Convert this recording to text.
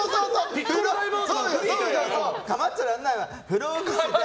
もう構ってられないわ。